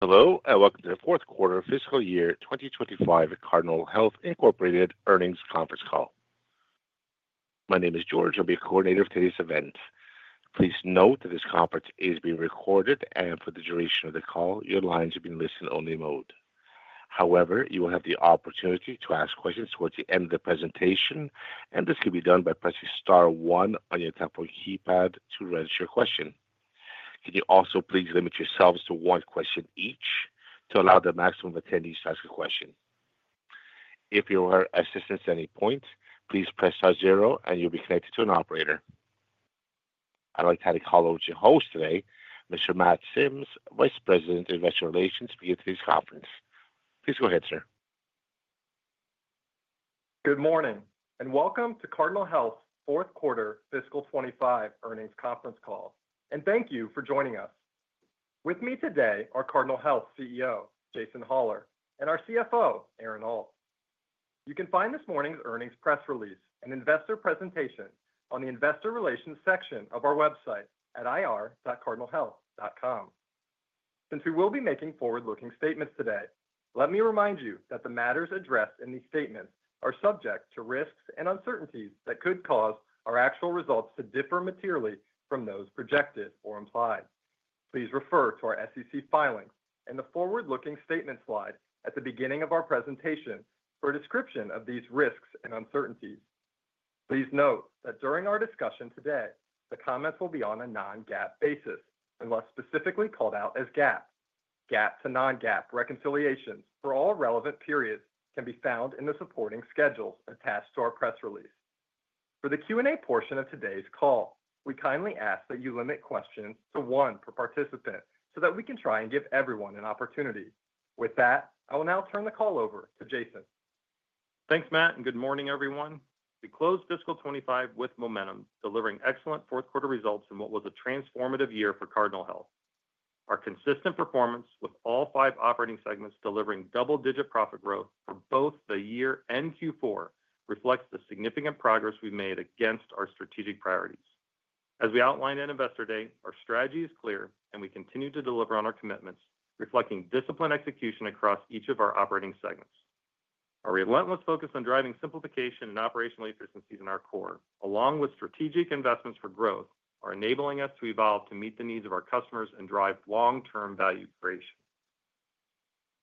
Hello and welcome to the Fourth Quarter of Fiscal Year 2025 at Cardinal Health, Inc. Earnings Conference Call. My name is George. I'll be a coordinator of today's event. Please note that this conference is being recorded, and for the duration of the call, your lines will be in listen-only mode. However, you will have the opportunity to ask questions towards the end of the presentation, and this can be done by pressing star one on your telephone keypad to register your question. Can you also please limit yourselves to one question each to allow the maximum of attendees to ask a question? If you require assistance at any point, please press star zero and you'll be connected to an operator. I'd like to have the call with your host today, Mr. Matt Sims, Vice President of Investor Relations, to begin today's conference. Please go ahead, sir. Good morning and welcome to Cardinal Health's Fourth Quarter fiscal 2025 Earnings Conference Call, and thank you for joining us. With me today are Cardinal Health CEO Jason Hollar and our CFO, Aaron Alt. You can find this morning's earnings press release and investor presentation on the Investor Relations section of our website at ir.cardinalhealth.com. Since we will be making forward-looking statements today, let me remind you that the matters addressed in these statements are subject to risks and uncertainties that could cause our actual results to differ materially from those projected or implied. Please refer to our SEC filings and the forward-looking statement slide at the beginning of our presentation for a description of these risks and uncertainties. Please note that during our discussion today, the comments will be on a non-GAAP basis unless specifically called out as GAAP. GAAP to non-GAAP reconciliations for all relevant periods can be found in the supporting schedules attached to our press release. For the Q&A portion of today's call, we kindly ask that you limit questions to one per participant so that we can try to give everyone an opportunity. With that, I will now turn the call over to Jason. Thanks, Matt, and good morning, everyone. We closed fiscal 2025 with momentum, delivering excellent fourth quarter results in what was a transformative year for Cardinal Health. Our consistent performance with all five operating segments delivering double-digit profit growth for both the year and Q4 reflects the significant progress we've made against our strategic priorities. As we outlined in Investor Day, our strategy is clear and we continue to deliver on our commitments, reflecting disciplined execution across each of our operating segments. Our relentless focus on driving simplification and operational efficiencies in our core, along with strategic investments for growth, are enabling us to evolve to meet the needs of our customers and drive long-term value creation.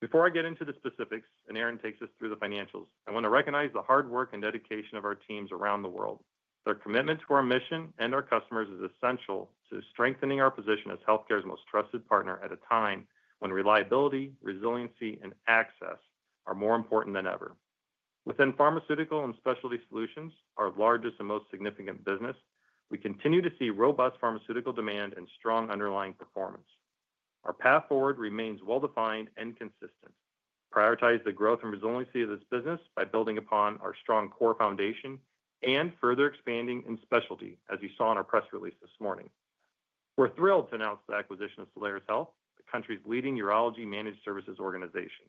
Before I get into the specifics and Aaron takes us through the financials, I want to recognize the hard work and dedication of our teams around the world. Their commitment to our mission and our customers is essential to strengthening our position as healthcare's most trusted partner at a time when reliability, resiliency, and access are more important than ever. Within Pharmaceutical and Specialty Solutions, our largest and most significant business, we continue to see robust pharmaceutical demand and strong underlying performance. Our path forward remains well-defined and consistent. Prioritize the growth and resiliency of this business by building upon our strong core foundation and further expanding in specialty, as you saw in our press release this morning. We're thrilled to announce the acquisition of Solaris Health, the country's leading urology managed services organization.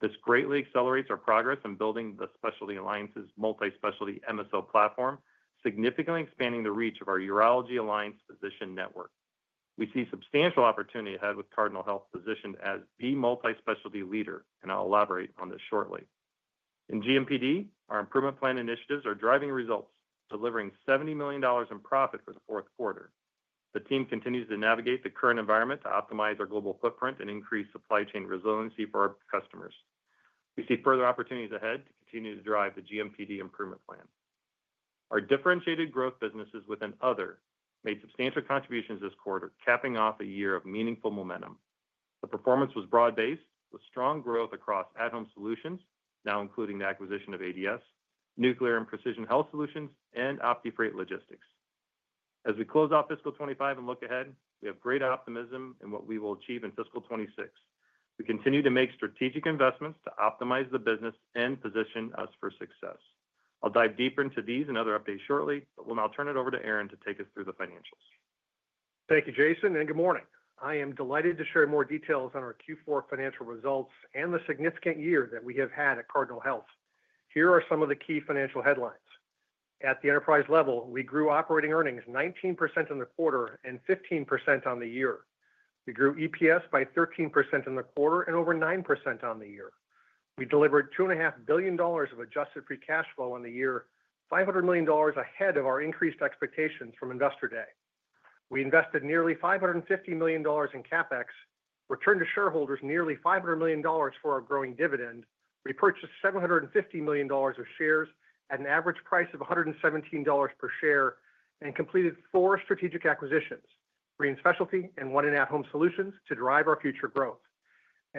This greatly accelerates our progress in building the Specialty Alliance MSO platform, significantly expanding the reach of our Urology Alliance physician network. We see substantial opportunity ahead with Cardinal Health positioned as the multi-specialty leader, and I'll elaborate on this shortly. In GMPD, our Improvement Plan initiatives are driving results, delivering $70 million in profit for the fourth quarter. The team continues to navigate the current environment to optimize our global footprint and increase supply chain resiliency for our customers. We see further opportunities ahead to continue to drive the GMPD improvement plan. Our differentiated growth businesses within Other made substantial contributions this quarter, capping off a year of meaningful momentum. The performance was broad-based, with strong growth across At-Home Solutions, now including the acquisition of ADS, Nuclear and Precision Health Solutions, and OptiFreight Logistics. As we close out fiscal 2025 and look ahead, we have great optimism in what we will achieve in fiscal 2026. We continue to make strategic investments to optimize the business and position us for success. I'll dive deeper into these and other updates shortly, but we'll now turn it over to Aaron Alt to take us through the financials. Thank you, Jason, and good morning. I am delighted to share more details on our Q4 financial results and the significant year that we have had at Cardinal Health. Here are some of the key financial headlines. At the enterprise level, we grew operating earnings 19% in the quarter and 15% on the year. We grew EPS by 13% in the quarter and over 9% on the year. We delivered $2.5 billion of adjusted free cash flow on the year, $500 million ahead of our increased expectations from Investor Day. We invested nearly $550 million in CapEx, returned to shareholders nearly $500 million for our growing dividend, repurchased $750 million of shares at an average price of $117 per share, and completed four strategic acquisitions, three in specialty and one in at-Home Solutions, to drive our future growth.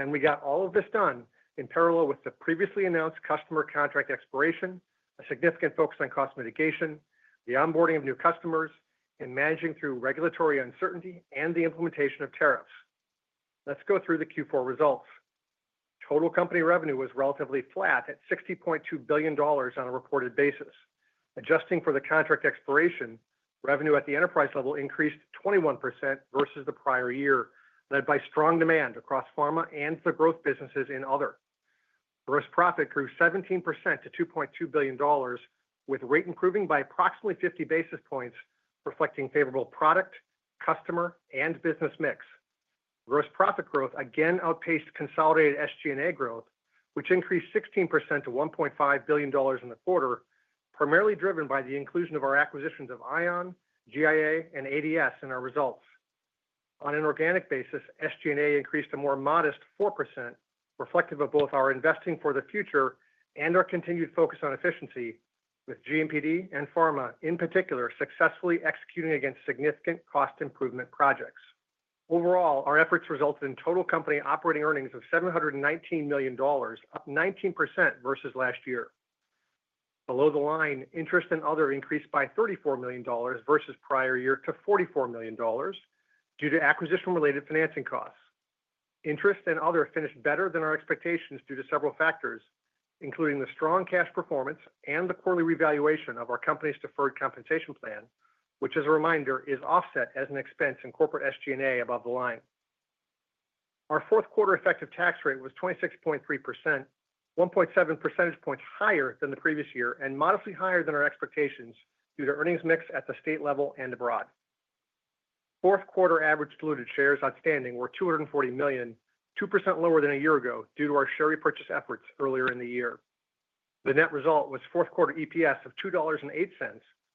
We got all of this done in parallel with the previously announced customer contract expiration, a significant focus on cost mitigation, the onboarding of new customers, and managing through regulatory uncertainty and the implementation of tariffs. Let's go through the Q4 results. Total company revenue was relatively flat at $60.2 billion on a reported basis. Adjusting for the contract expiration, revenue at the enterprise level increased 21% versus the prior year, led by strong demand across pharma and the growth businesses in Other. Gross profit grew 17% to $2.2 billion, with rate improving by approximately 50 basis points, reflecting favorable product, customer, and business mix. Gross profit growth again outpaced consolidated SG&A growth, which increased 16% to $1.5 billion in the quarter, primarily driven by the inclusion of our acquisitions of ION, GIA, and ADS in our results. On an organic basis, SG&A increased a more modest 4%, reflective of both our investing for the future and our continued focus on efficiency, with GMPD and pharma in particular successfully executing against significant cost improvement projects. Overall, our efforts resulted in total company operating earnings of $719 million, up 19% versus last year. Below the line, interest in Other increased by $34 million versus prior year to $44 million due to acquisition-related financing costs. Interest in Other finished better than our expectations due to several factors, including the strong cash performance and the poorly revaluation of our company's deferred compensation plan, which, as a reminder, is offset as an expense in corporate SG&A above the line. Our fourth quarter effective tax rate was 26.3%, 1.7 percentage points higher than the previous year and modestly higher than our expectations due to earnings mix at the state level and abroad. Fourth quarter average diluted shares outstanding were $240 million, 2% lower than a year ago due to our share repurchase efforts earlier in the year. The net result was fourth quarter EPS of $2.08,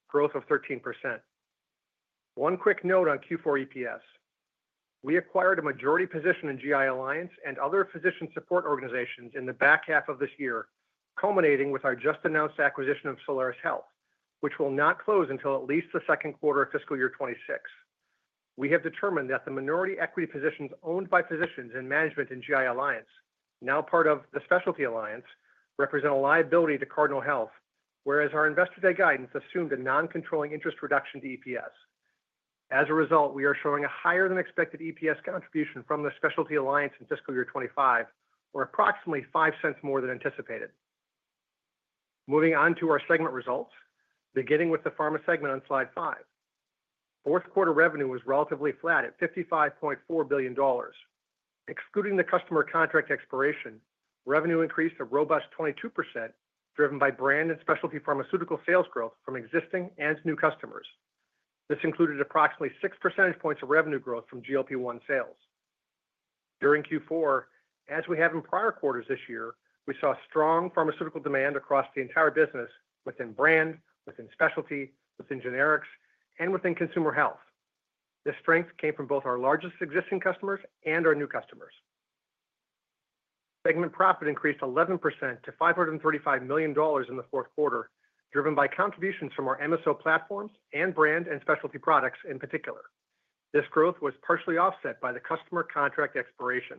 growth of 13%. One quick note on Q4 EPS. We acquired a majority position in GI Alliance and other physician support organizations in the back half of this year, culminating with our just announced acquisition of Solaris Health, which will not close until at least the second quarter of fiscal year 2026. We have determined that the minority equity positions owned by physicians in management in GI Alliance, now part of the Specialty Alliance, represent a liability to Cardinal Health, whereas our Investor Day guidance assumed a non-controlling interest reduction to EPS. As a result, we are showing a higher than expected EPS contribution from the Specialty Alliance in fiscal year 2025, or approximately $0.05 more than anticipated. Moving on to our segment results, beginning with the pharma segment on slide five. Fourth quarter revenue was relatively flat at $55.4 billion. Excluding the customer contract expiration, revenue increased a robust 22%, driven by brand and specialty pharmaceutical sales growth from existing and new customers. This included approximately 6% of revenue growth from GLP-1 sales. During Q4, as we have in prior quarters this year, we saw strong pharmaceutical demand across the entire business, within brand, within specialty, within generics, and within consumer health. This strength came from both our largest existing customers and our new customers. Segment profit increased 11% to $535 million in the fourth quarter, driven by contributions from our MSO platforms and brand and specialty products in particular. This growth was partially offset by the customer contract expiration.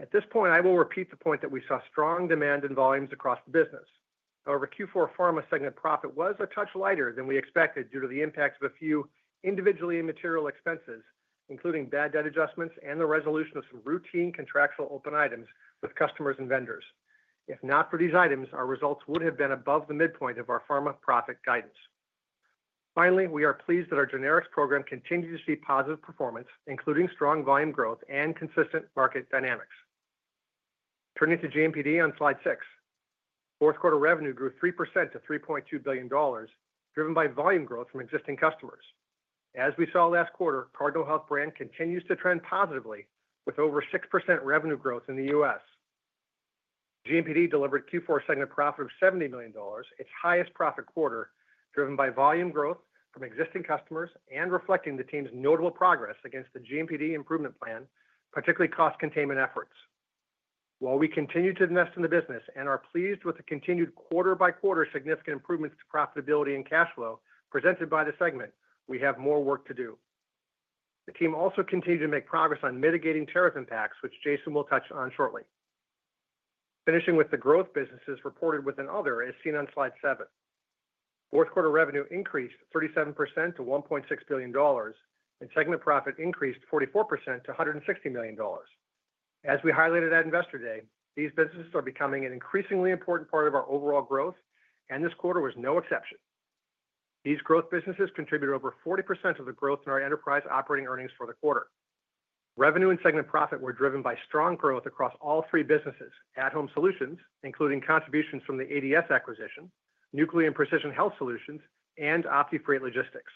At this point, I will repeat the point that we saw strong demand in volumes across the business. However, Q4 Pharma segment profit was a touch lighter than we expected due to the impacts of a few individually immaterial expenses, including bad debt adjustments and the resolution of some routine contractual open items with customers and vendors. If not for these items, our results would have been above the midpoint of our Pharma profit guidance. Finally, we are pleased that our generics program continues to see positive performance, including strong volume growth and consistent market dynamics. Turning to GMPD on slide six, fourth quarter revenue grew 3% to $3.2 billion, driven by volume growth from existing customers. As we saw last quarter, Cardinal Health brand continues to trend positively with over 6% revenue growth in the U.S. GMPD delivered Q4 segment profit of $70 million, its highest profit quarter, driven by volume growth from existing customers and reflecting the team's notable progress against the GMPD improvement plan, particularly cost containment efforts. While we continue to invest in the business and are pleased with the continued quarter-by-quarter significant improvements to profitability and cash flow presented by the segment, we have more work to do. The team also continued to make progress on mitigating tariff impacts, which Jason will touch on shortly. Finishing with the growth businesses reported within Other as seen on slide seven. Fourth quarter revenue increased 37% to $1.6 billion, and segment profit increased 44% to $160 million. As we highlighted at Investor Day, these businesses are becoming an increasingly important part of our overall growth, and this quarter was no exception. These growth businesses contributed over 40% of the growth in our enterprise operating earnings for the quarter. Revenue and segment profit were driven by strong growth across all three businesses: at-Home Solutions, including contributions from the ADS acquisition, Nuclear and Precision Health Solutions, and OptiFreight Logistics.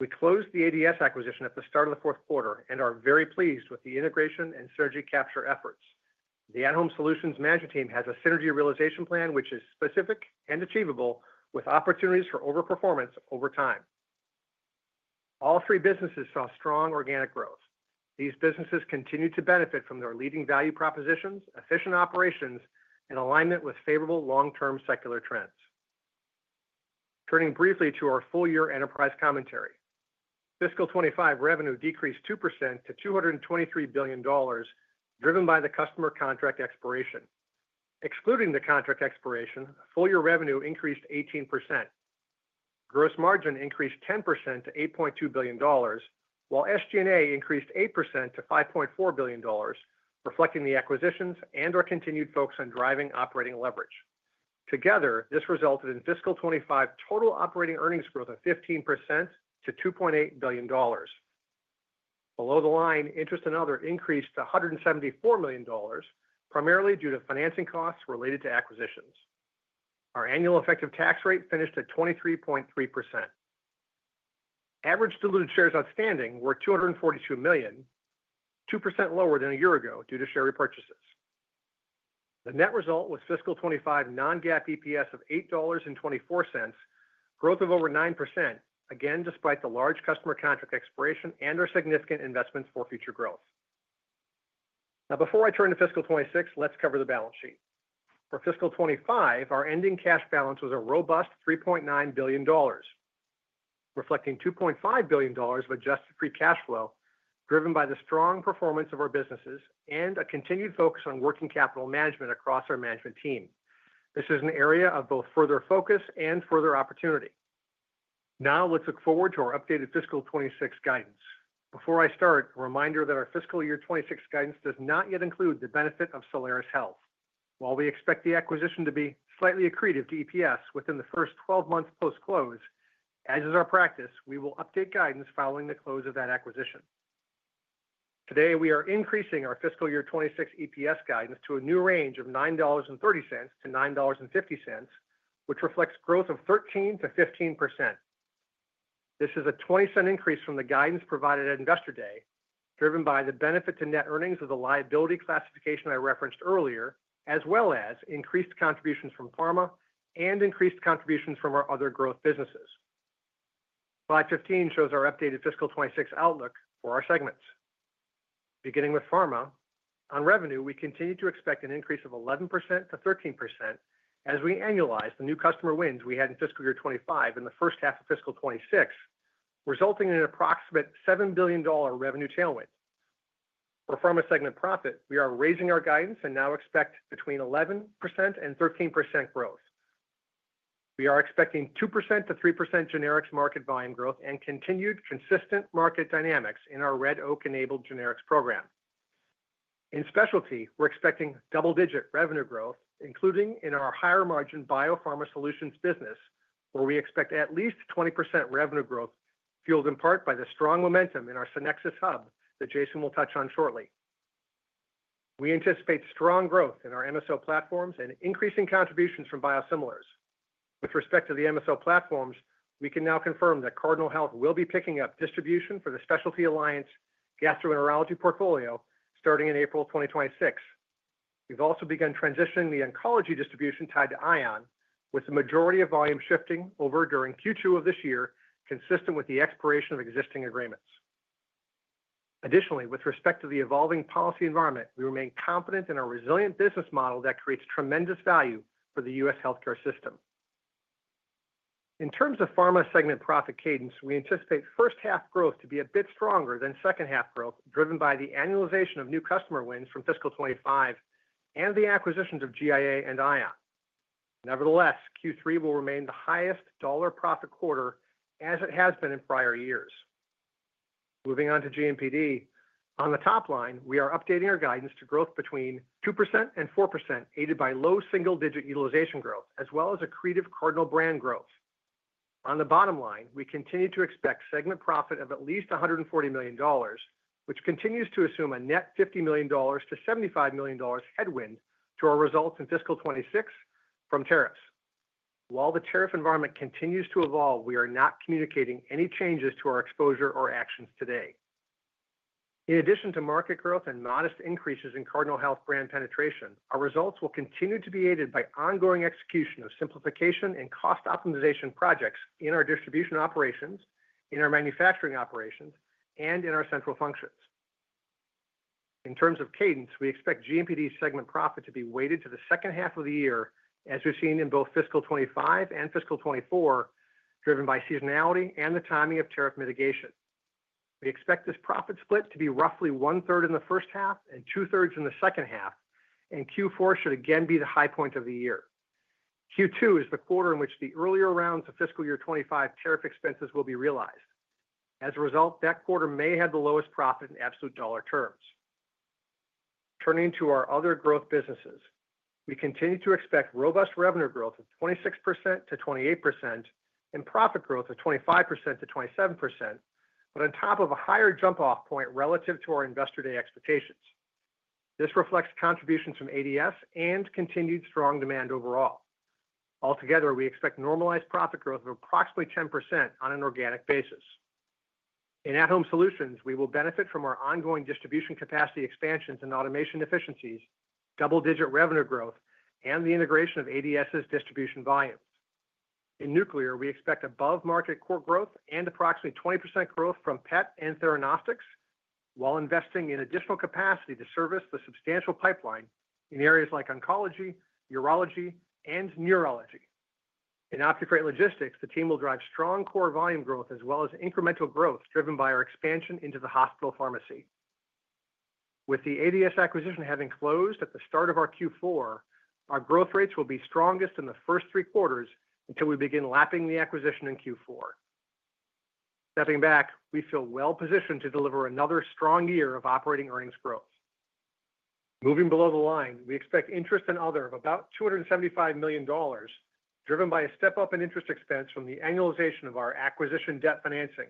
We closed the ADS acquisition at the start of the fourth quarter and are very pleased with the integration and synergy capture efforts. The at-Home Solutions management team has a synergy realization plan which is specific and achievable, with opportunities for overperformance over time. All three businesses saw strong organic growth. These businesses continue to benefit from their leading value propositions, efficient operations, and alignment with favorable long-term secular trends. Turning briefly to our full-year enterprise commentary, fiscal 2025 revenue decreased 2% to $223 billion, driven by the customer contract expiration. Excluding the contract expiration, full-year revenue increased 18%. Gross margin increased 10% to $8.2 billion, while SG&A increased 8% to $5.4 billion, reflecting the acquisitions and our continued focus on driving operating leverage. Together, this resulted in fiscal 2025 total operating earnings growth of 15% to $2.8 billion. Below the line, interest and other increased to $174 million, primarily due to financing costs related to acquisitions. Our annual effective tax rate finished at 23.3%. Average diluted shares outstanding were 242 million, 2% lower than a year ago due to share repurchases. The net result was fiscal 2025 non-GAAP EPS of $8.24, growth of over 9%, again despite the large customer contract expiration and our significant investments for future growth. Now, before I turn to fiscal 2026, let's cover the balance sheet. For fiscal 2025, our ending cash balance was a robust $3.9 billion, reflecting $2.5 billion of adjusted free cash flow, driven by the strong performance of our businesses and a continued focus on working capital management across our management team. This is an area of both further focus and further opportunity. Now, let's look forward to our updated fiscal 2026 guidance. Before I start, a reminder that our fiscal year 2026 guidance does not yet include the benefit of Solaris Health. While we expect the acquisition to be slightly accretive to EPS within the first 12 months post-close, as is our practice, we will update guidance following the close of that acquisition. Today, we are increasing our fiscal year 2026 EPS guidance to a new range of $9.30-$9.50, which reflects growth of 13%-to 15%. This is a 20% increase from the guidance provided at Investor Day, driven by the benefit to net earnings of the liability classification I referenced earlier, as well as increased contributions from pharma and increased contributions from our other growth businesses. Slide 15 shows our updated fiscal 2026 outlook for our segments. Beginning with Pharma, on revenue, we continue to expect an increase of 11% to 13% as we annualize the new customer wins we had in fiscal year 2025 in the first half of fiscal 2026, resulting in an approximate $7 billion revenue tailwind. For Pharma segment profit, we are raising our guidance and now expect between 11% and 13% growth. We are expecting 2% to 3% generics market volume growth and continued consistent market dynamics in our Red Oak-enabled generics program. In specialty, we're expecting double-digit revenue growth, including in our higher margin biopharma solutions business, where we expect at least 20% revenue growth, fueled in part by the strong momentum in our Sonexus hub that Jason will touch on shortly. We anticipate strong growth in our MSO platforms and increasing contributions from biosimilars. With respect to the MSO platforms, we can now confirm that Cardinal Health will be picking up distribution for the Specialty Alliance MSO platform gastroenterology portfolio starting in April 2026. We've also begun transitioning the oncology distribution tied to ION, with the majority of volume shifting over during Q2 of this year, consistent with the expiration of existing agreements. Additionally, with respect to the evolving policy environment, we remain confident in our resilient business model that creates tremendous value for the U.S. healthcare system. In terms of Pharma segment profit cadence, we anticipate first half growth to be a bit stronger than second half growth, driven by the annualization of new customer wins from fiscal 2025 and the acquisitions of GIA and Ion. Nevertheless, Q3 will remain the highest dollar profit quarter as it has been in prior years. Moving on to GMPD, on the top line, we are updating our guidance to growth between 2% and 4%, aided by low single-digit utilization growth, as well as accretive Cardinal Health brand growth. On the bottom line, we continue to expect segment profit of at least $140 million, which continues to assume a net $50 million to $75 million headwind to our results in fiscal 2026 from tariffs. While the tariff environment continues to evolve, we are not communicating any changes to our exposure or actions today. In addition to market growth and modest increases in Cardinal Health brand penetration, our results will continue to be aided by ongoing execution of simplification and cost optimization projects in our distribution operations, in our manufacturing operations, and in our central functions. In terms of cadence, we expect GMPD segment profit to be weighted to the second half of the year, as we've seen in both fiscal 2025 and fiscal 2024, driven by seasonality and the timing of tariff mitigation. We expect this profit split to be roughly one-third in the first half and two-thirds in the second half, and Q4 should again be the high point of the year. Q2 is the quarter in which the earlier rounds of fiscal year 2025 tariff expenses will be realized. As a result, that quarter may have the lowest profit in absolute dollar terms. Turning to our other growth businesses, we continue to expect robust revenue growth of 26%-28% and profit growth of 25%-27%, but on top of a higher jump-off point relative to our Investor Day expectations. This reflects contributions from ADS and continued strong demand overall. Altogether, we expect normalized profit growth of approximately 10% on an organic basis. In at-Home Solutions, we will benefit from our ongoing distribution capacity expansions and automation efficiencies, double-digit revenue growth, and the integration of ADS's distribution volumes. In Nuclear, we expect above-market core growth and approximately 20% growth from PET and Theranostics, while investing in additional capacity to service the substantial pipeline in areas like oncology, urology, and neurology. In OptiFreight Logistics, the team will drive strong core volume growth as well as incremental growth driven by our expansion into the hospital pharmacy. With the ADS acquisition having closed at the start of our Q4, our growth rates will be strongest in the first three quarters until we begin lapping the acquisition in Q4. Stepping back, we feel well-positioned to deliver another strong year of operating earnings growth. Moving below the line, we expect interest in Other of about $275 million, driven by a step-up in interest expense from the annualization of our acquisition debt financing.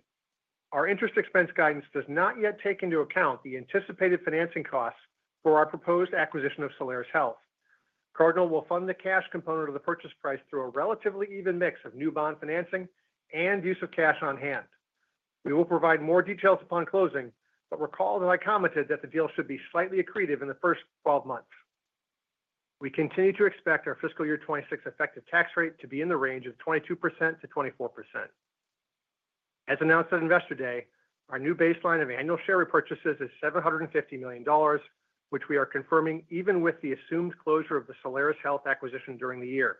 Our interest expense guidance does not yet take into account the anticipated financing costs for our proposed acquisition of Solaris Health. Cardinal will fund the cash component of the purchase price through a relatively even mix of new bond financing and use of cash on hand. We will provide more details upon closing, but recall that I commented that the deal should be slightly accretive in the first 12 months. We continue to expect our fiscal year 2026 effective tax rate to be in the range of 22%-24%. As announced at Investor Day, our new baseline of annual share repurchases is $750 million, which we are confirming even with the assumed closure of the Solaris Health acquisition during the year.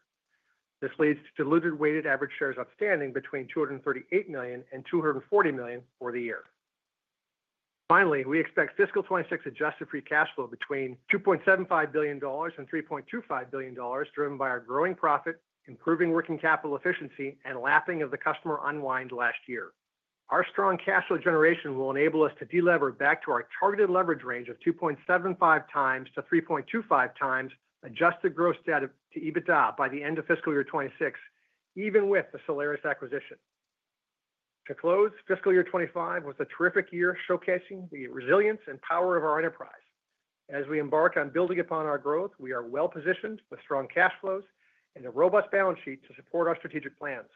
This leads to diluted weighted average shares outstanding between 238 million and 240 million for the year. Finally, we expect fiscal 2026 adjusted free cash flow between $2.75 billion and $3.25 billion, driven by our growing profit, improving working capital efficiency, and lapping of the customer unwind last year. Our strong cash flow generation will enable us to deleverage back to our targeted leverage range of 2.75x-3.25x adjusted gross debt to EBITDA by the end of fiscal year 2026, even with the Solaris acquisition. To close, fiscal year 2025 was a terrific year showcasing the resilience and power of our enterprise. As we embark on building upon our growth, we are well-positioned with strong cash flows and a robust balance sheet to support our strategic plans.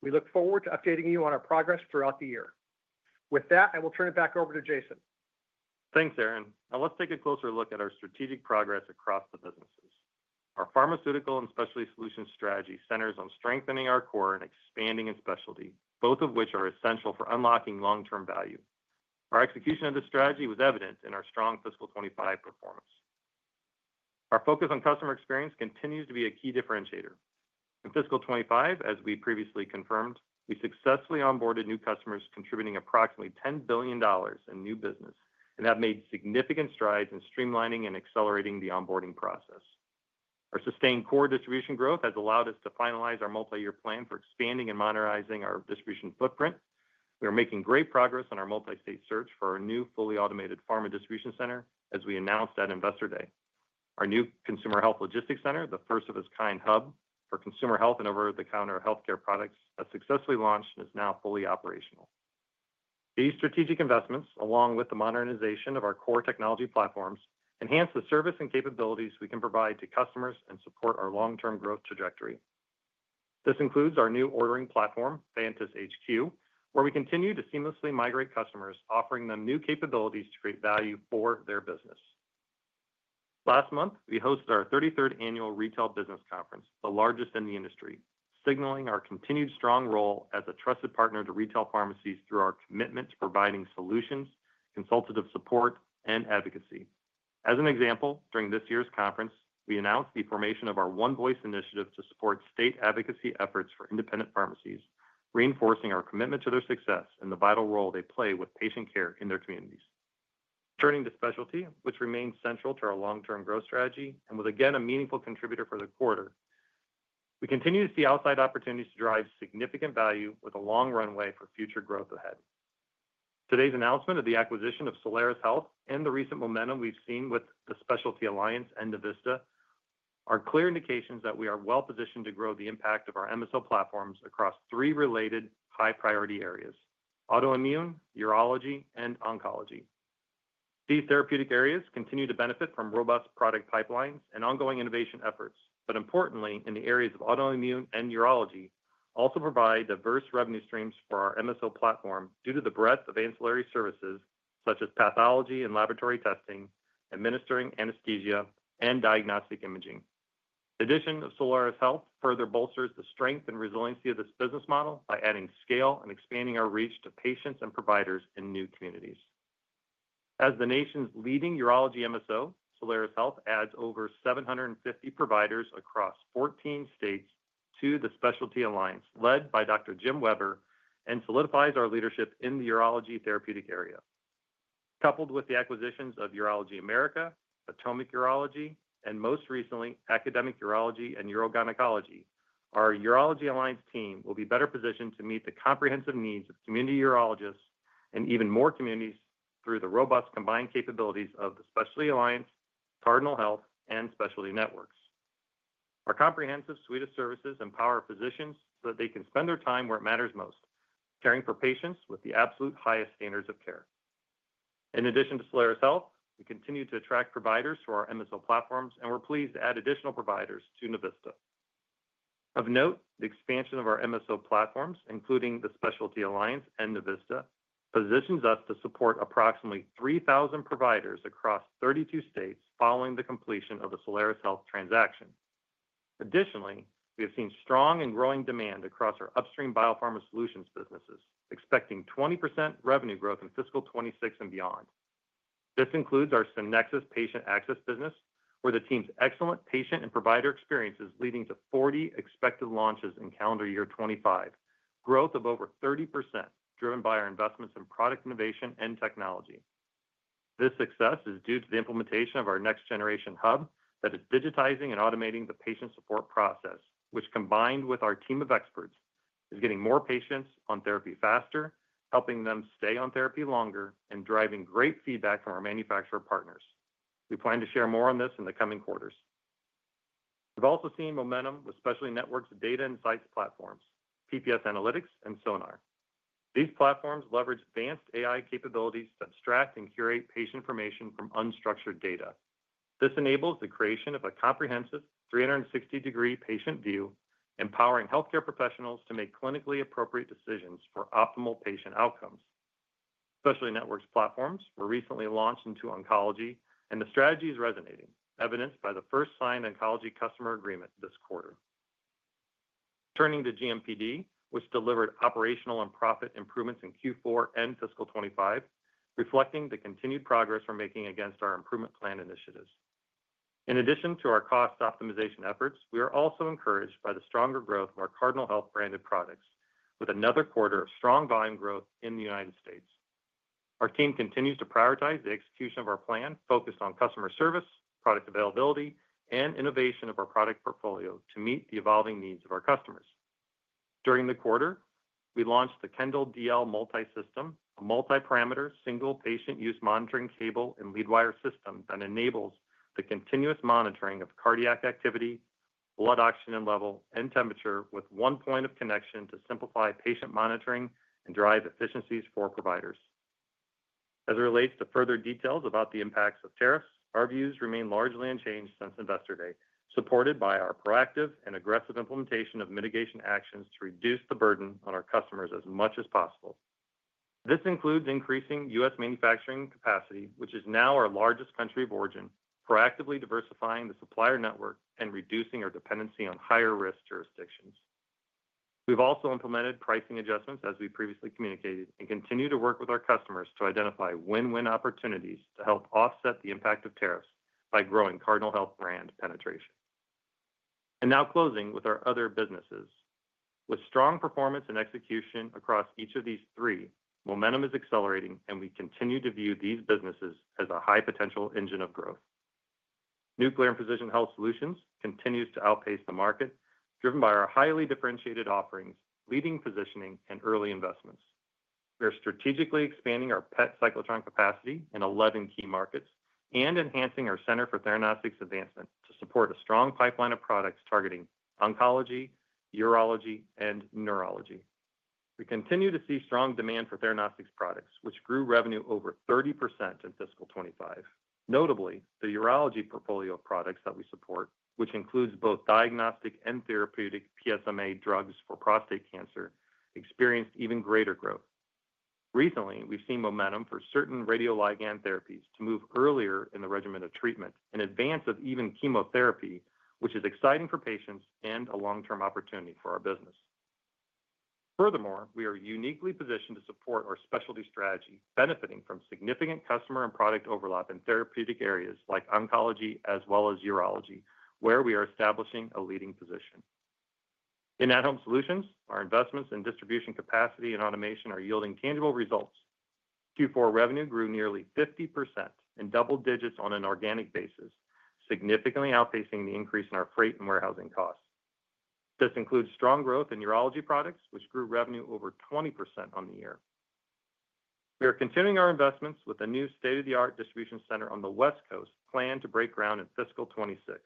We look forward to updating you on our progress throughout the year. With that, I will turn it back over to Jason. Thanks, Aaron. Now let's take a closer look at our strategic progress across the businesses. Our pharmaceutical and specialty solutions strategy centers on strengthening our core and expanding in specialty, both of which are essential for unlocking long-term value. Our execution of this strategy was evident in our strong fiscal 2025 performance. Our focus on customer experience continues to be a key differentiator. In fiscal 2025, as we previously confirmed, we successfully onboarded new customers, contributing approximately $10 billion in new business, and that made significant strides in streamlining and accelerating the onboarding process. Our sustained core distribution growth has allowed us to finalize our multi-year plan for expanding and monetizing our distribution footprint. We are making great progress on our multi-state search for our new fully automated Pharma distribution center, as we announced at Investor Day. Our new Consumer Health Logistics Center, the first of its kind hub for consumer health and over-the-counter healthcare products, has successfully launched and is now fully operational. These strategic investments, along with the modernization of our core technology platforms, enhance the service and capabilities we can provide to customers and support our long-term growth trajectory. This includes our new ordering platform, Vantus HQ, where we continue to seamlessly migrate customers, offering them new capabilities to create value for their business. Last month, we hosted our 33rd Annual Retail Business Conference, the largest in the industry, signaling our continued strong role as a trusted partner to retail pharmacies through our commitment to providing solutions, consultative support, and advocacy. As an example, during this year's conference, we announced the formation of our One Voice initiative to support state advocacy efforts for independent pharmacies, reinforcing our commitment to their success and the vital role they play with patient care in their communities. Turning to specialty, which remains central to our long-term growth strategy and was again a meaningful contributor for the quarter, we continue to see outside opportunities to drive significant value with a long runway for future growth ahead. Today's announcement of the acquisition of Solaris Health and the recent momentum we've seen with the Specialty Alliance and Navista are clear indications that we are well-positioned to grow the impact of our MSO platforms across three related high-priority areas: autoimmune, urology, and oncology. These therapeutic areas continue to benefit from robust product pipelines and ongoing innovation efforts, but importantly, in the areas of autoimmune and urology, also provide diverse revenue streams for our MSO platform due to the breadth of ancillary services such as pathology and laboratory testing, administering anesthesia, and diagnostic imaging. The addition of Solaris Health further bolsters the strength and resiliency of this business model by adding scale and expanding our reach to patients and providers in new communities. As the nation's leading urology MSO, Solaris Health adds over 750 providers across 14 states to the Specialty Alliance led by Dr. Jim Weber and solidifies our leadership in the urology therapeutic area. Coupled with the acquisitions of Urology America, Potomic Urology, and most recently, Academic Urology and Urogynecology, our Urology Alliance team will be better positioned to meet the comprehensive needs of community urologists and even more communities through the robust combined capabilities of the Specialty Alliance, Cardinal Health, and Specialty Networks. Our comprehensive suite of services empower physicians so that they can spend their time where it matters most, caring for patients with the absolute highest standards of care. In addition to Solaris Health, we continue to attract providers to our MSO platforms, and we're pleased to add additional providers to Navista. Of note, the expansion of our MSO platforms, including the Specialty Alliance and Navista, positions us to support approximately 3,000 providers across 32 states following the completion of a Solaris Health transaction. Additionally, we have seen strong and growing demand across our upstream biopharma solutions businesses, expecting 20% revenue growth in fiscal 2026 and beyond. This includes our Sonexus Access and Patient Support business, where the team's excellent patient and provider experiences lead to 40 expected launches in calendar year 2025, growth of over 30% driven by our investments in product innovation and technology. This success is due to the implementation of our next-generation hub that is digitizing and automating the patient support process, which, combined with our team of experts, is getting more patients on therapy faster, helping them stay on therapy longer, and driving great feedback from our manufacturer partners. We plan to share more on this in the coming quarters. We've also seen momentum with Specialty Networks' data insights platforms, PPS Analytics, and SoNaR. These platforms leverage advanced AI capabilities that extract and curate patient information from unstructured data. This enables the creation of a comprehensive 360-degree patient view, empowering healthcare professionals to make clinically appropriate decisions for optimal patient outcomes. Specialty Networks' platforms were recently launched into oncology, and the strategy is resonating, evidenced by the first signed oncology customer agreement this quarter. Turning to GMPD, which delivered operational and profit improvements in Q4 and fiscal 2025, reflecting the continued progress we're making against our improvement plan initiatives. In addition to our cost optimization efforts, we are also encouraged by the stronger growth of our Cardinal Health branded products, with another quarter of strong volume growth in the United States. Our team continues to prioritize the execution of our plan, focused on customer service, product availability, and innovation of our product portfolio to meet the evolving needs of our customers. During the quarter, we launched the Kendall DL Multi System, a multi-parameter, single patient use monitoring cable and lead wire system that enables the continuous monitoring of cardiac activity, blood oxygen level, and temperature, with one point of connection to simplify patient monitoring and drive efficiencies for providers. As it relates to further details about the impacts of tariffs, our views remain largely unchanged since Investor Day, supported by our proactive and aggressive implementation of mitigation actions to reduce the burden on our customers as much as possible. This includes increasing U.S. manufacturing capacity, which is now our largest country of origin, proactively diversifying the supplier network, and reducing our dependency on higher-risk jurisdictions. We've also implemented pricing adjustments, as we previously communicated, and continue to work with our customers to identify win-win opportunities to help offset the impact of tariffs by growing Cardinal Health Brand penetration. Closing with our other businesses, with strong performance and execution across each of these three, momentum is accelerating, and we continue to view these businesses as a high-potential engine of growth. Nuclear and Precision Health Solutions continues to outpace the market, driven by our highly differentiated offerings, leading positioning, and early investments. We are strategically expanding our PET cyclotron capacity in 11 key markets and enhancing our center for Theranostics advancement to support a strong pipeline of products targeting oncology, urology, and neurology. We continue to see strong demand for Theranostics products, which grew revenue over 30% in fiscal 2025. Notably, the urology portfolio of products that we support, which includes both diagnostic and therapeutic PSMA drugs for prostate cancer, experienced even greater growth. Recently, we've seen momentum for certain radioligand therapies to move earlier in the regimen of treatment in advance of even chemotherapy, which is exciting for patients and a long-term opportunity for our business. Furthermore, we are uniquely positioned to support our specialty strategy, benefiting from significant customer and product overlap in therapeutic areas like oncology as well as urology, where we are establishing a leading position. In at-Home Solutions, our investments in distribution capacity and automation are yielding tangible results. Q4 revenue grew nearly 50% in double digits on an organic basis, significantly outpacing the increase in our freight and warehousing costs. This includes strong growth in urology products, which grew revenue over 20% on the year. We are continuing our investments with a new state-of-the-art distribution center on the West Coast planned to break ground in fiscal 2026.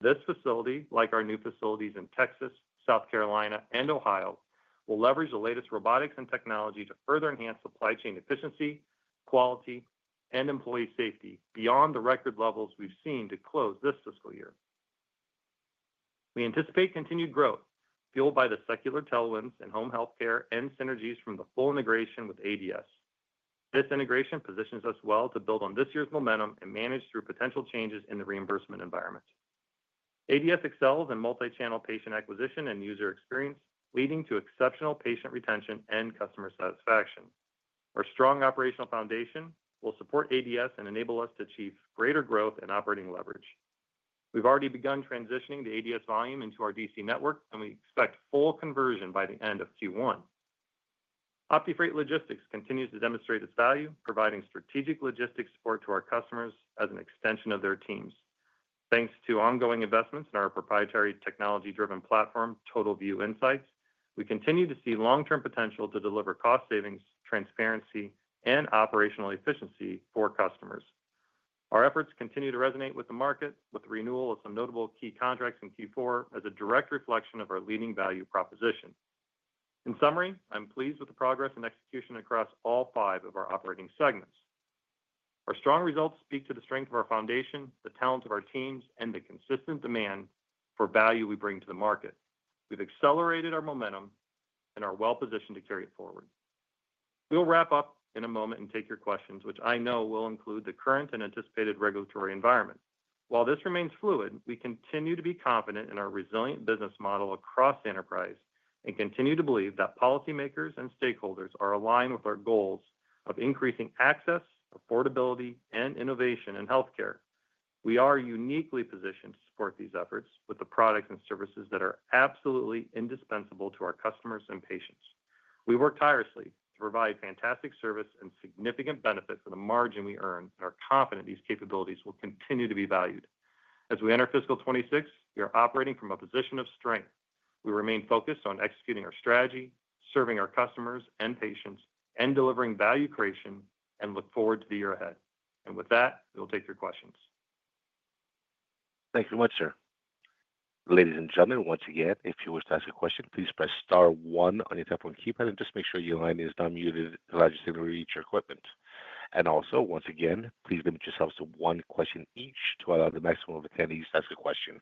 This facility, like our new facilities in Texas, South Carolina, and Ohio, will leverage the latest robotics and technology to further enhance supply chain efficiency, quality, and employee safety beyond the record levels we've seen to close this fiscal year. We anticipate continued growth, fueled by the secular tailwinds in home healthcare and synergies from the full integration with ADS. This integration positions us well to build on this year's momentum and manage through potential changes in the reimbursement environment. ADS excels in multi-channel patient acquisition and user experience, leading to exceptional patient retention and customer satisfaction. Our strong operational foundation will support ADS and enable us to achieve greater growth and operating leverage. We've already begun transitioning the ADS volume into our DC network, and we expect full conversion by the end of Q1. OptiFreight Logistics continues to demonstrate its value, providing strategic logistics support to our customers as an extension of their teams. Thanks to ongoing investments in our proprietary technology-driven platform, TotalVue Insights, we continue to see long-term potential to deliver cost savings, transparency, and operational efficiency for customers. Our efforts continue to resonate with the market, with the renewal of some notable key contracts in Q4 as a direct reflection of our leading value proposition. In summary, I'm pleased with the progress and execution across all five of our operating segments. Our strong results speak to the strength of our foundation, the talent of our teams, and the consistent demand for value we bring to the market. We've accelerated our momentum and are well-positioned to carry it forward. We'll wrap up in a moment and take your questions, which I know will include the current and anticipated regulatory environment. While this remains fluid, we continue to be confident in our resilient business model across the enterprise and continue to believe that policymakers and stakeholders are aligned with our goals of increasing access, affordability, and innovation in healthcare. We are uniquely positioned to support these efforts with the products and services that are absolutely indispensable to our customers and patients. We work tirelessly to provide fantastic service and significant benefit for the margin we earn and are confident these capabilities will continue to be valued. As we enter fiscal 2026, we are operating from a position of strength. We remain focused on executing our strategy, serving our customers and patients, and delivering value creation, and look forward to the year ahead. With that, we'll take your questions. Thank you very much, sir. Ladies and gentlemen, once again, if you wish to ask a question, please press star one on your telephone keypad and make sure your line is not muted to allow you to reach your equipment. Also, once again, please limit yourselves to one question each to allow the maximum of attendees to ask a question.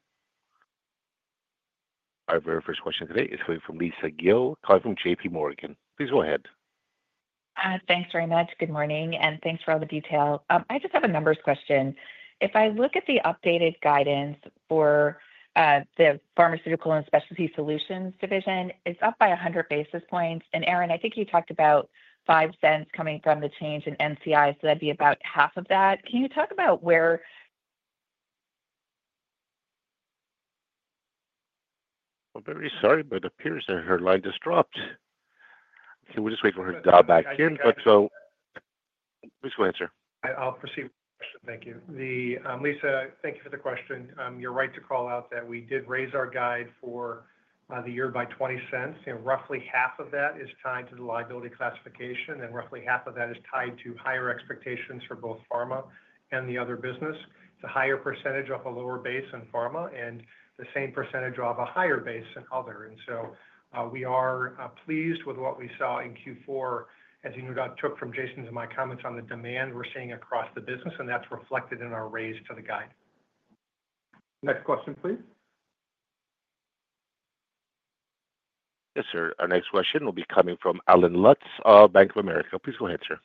Our very first question today is coming from Lisa Gill, calling from J.PMorgan. Please go ahead. Thanks very much. Good morning and thanks for all the detail. I just have a numbers question. If I look at the updated guidance for the Pharmaceutical and Specialty Solutions division, it's up by 100 basis points. Aaron, I think you talked about $0.05 coming from the change in NCI, so that'd be about half of that. Can you talk about where? I'm very sorry, but it appears that her line just dropped. Can we wait for her to dial back in? Please go ahead, sir. I'll proceed. Thank you. Lisa, thank you for the question. You're right to call out that we did raise our guide for the year by $0.20. Roughly half of that is tied to the liability classification, and roughly half of that is tied to higher expectations for both Pharma and the other business. It's a higher percentage off a lower base in pharma and the same percentage off a higher base in other. We are pleased with what we saw in Q4, as you know, took from Jason's and my comments on the demand we're seeing across the business, and that's reflected in our raise to the guide. Next question, please. Yes, sir. Our next question will be coming from Allen Lutz of Bank of America. Please go ahead, sir.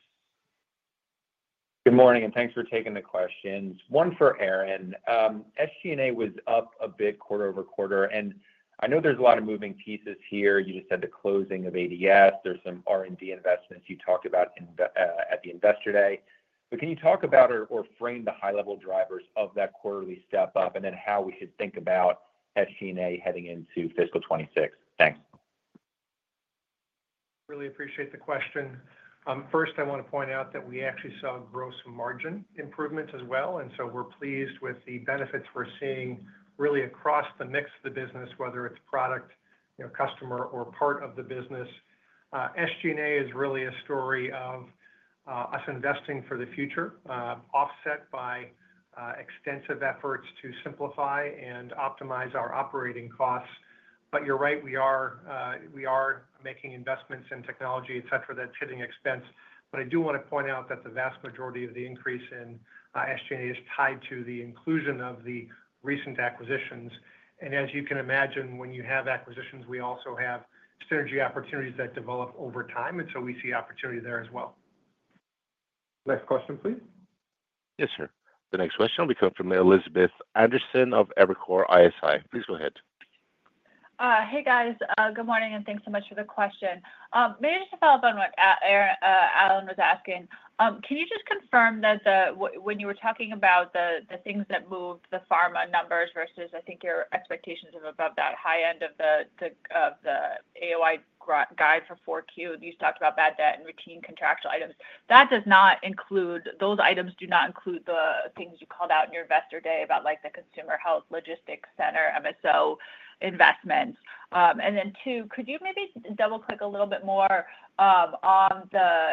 Good morning and thanks for taking the questions. One for Aaron. SG&A was up a bit quarter-over- quarter, and I know there's a lot of moving pieces here. You just said the closing of ADS. There's some R&D investments you talked about at the Investor Day. Can you talk about or frame the high-level drivers of that quarterly step-up and then how we should think about SG&A heading into fiscal 2026? Thanks. Really appreciate the question. First, I want to point out that we actually saw gross margin improvement as well, and we're pleased with the benefits we're seeing really across the mix of the business, whether it's product, customer, or part of the business. SG&A is really a story of us investing for the future, offset by extensive efforts to simplify and optimize our operating costs. You're right, we are making investments in technology, et cetera, that's hitting expense. I do want to point out that the vast majority of the increase in SG&A is tied to the inclusion of the recent acquisitions. As you can imagine, when you have acquisitions, we also have synergy opportunities that develop over time, and we see opportunity there as well. Next question, please. Yes, sir. The next question will be coming from Elizabeth Anderson of Evercore ISI. Please go ahead. Hey, guys. Good morning and thanks so much for the question. Maybe just to follow up on what Alan was asking, can you just confirm that when you were talking about the things that moved the Pharma numbers versus, I think, your expectations of above that high end of the AOI guide for 4Q, you talked about bad debt and routine contractual items. That does not include those items, do not include the things you called out in your Investor Day about, like, the consumer health logistics center MSO investments. Could you maybe double-click a little bit more on the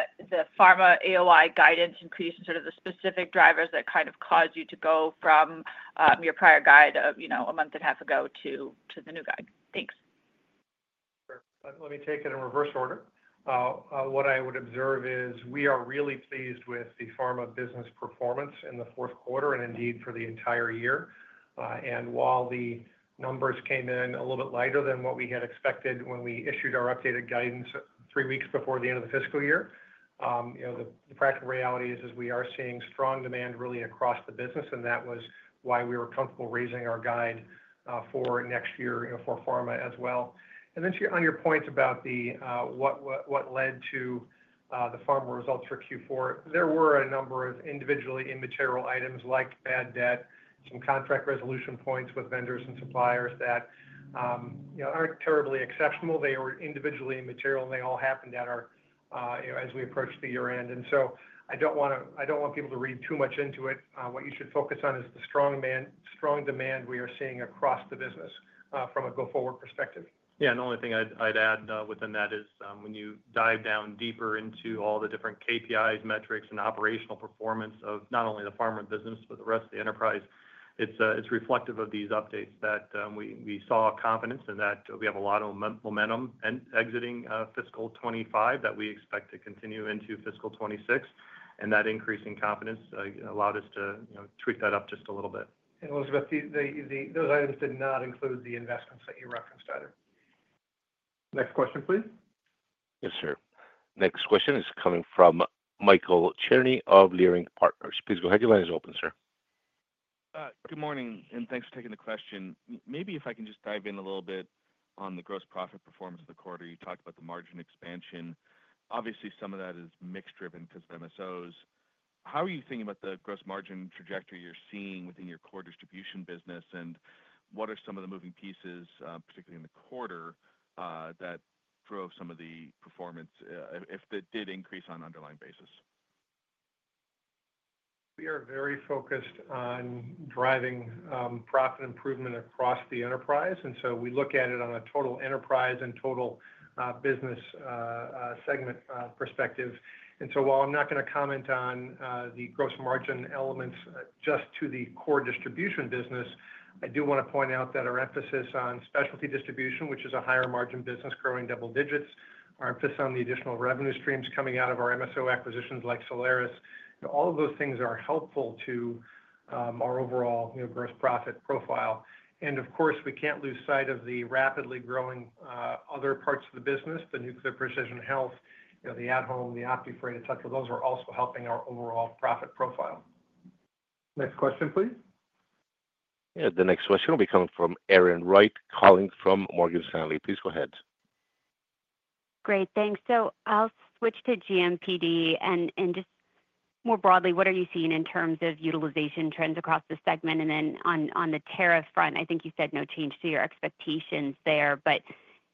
Pharma AOI guidance and create some sort of the specific drivers that kind of caused you to go from your prior guide, you know, a month and a half ago to the new guide? Thanks. Sure. Let me take it in reverse order. What I would observe is we are really pleased with the Pharma business performance in the fourth quarter and indeed for the entire year. While the numbers came in a little bit lighter than what we had expected when we issued our updated guidance three weeks before the end of the fiscal year, the practical reality is that we are seeing strong demand really across the business, and that was why we were comfortable raising our guide for next year, for Pharma as well. On your points about what led to the Pharma results for Q4, there were a number of individually immaterial items like bad debt, some contract resolution points with vendors and suppliers that aren't terribly exceptional. They were individually immaterial and they all happened as we approached the year-end. I don't want people to read too much into it. What you should focus on is the strong demand we are seeing across the business from a go-forward perspective. The only thing I'd add within that is when you dive down deeper into all the different KPIs, metrics, and operational performance of not only the Pharma business but the rest of the enterprise, it's reflective of these updates that we saw confidence in, that we have a lot of momentum exiting fiscal 2025 that we expect to continue into fiscal 2026, and that increasing confidence allowed us to tweak that up just a little bit. Those items did not include the investments that you referenced either. Next question, please. Yes, sir. Next question is coming from Michael Cherny of Leerink Partners. Please go ahead. Your line is open, sir. Good morning and thanks for taking the question. Maybe if I can just dive in a little bit on the gross profit performance of the quarter, you talked about the margin expansion. Obviously, some of that is mix-driven because of MSOs. How are you thinking about the gross margin trajectory you're seeing within your core distribution business, and what are some of the moving pieces, particularly in the quarter, that drove some of the performance if it did increase on an underlying basis? We are very focused on driving profit improvement across the enterprise, and we look at it on a total enterprise and total business segment perspective. While I'm not going to comment on the gross margin elements just to the core distribution business, I do want to point out that our emphasis on specialty distribution, which is a higher margin business growing double digits, our emphasis on the additional revenue streams coming out of our MSO acquisitions like Solaris, all of those things are helpful to our overall gross profit profile. Of course, we can't lose sight of the rapidly growing other parts of the business, the Nuclear and Precision Health, the at-Home, the OptiFreight, et cetera. Those are also helping our overall profit profile. Next question, please. Yeah, the next question will be coming from Erin Wright calling from Morgan Stanley. Please go ahead. Great, thanks. I'll switch to GMPD and just more broadly, what are you seeing in terms of utilization trends across the segment? On the tariff front, I think you said no change to your expectations there, but